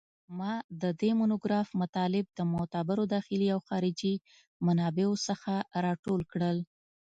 ما د دې مونوګراف مطالب د معتبرو داخلي او خارجي منابعو څخه راټول کړل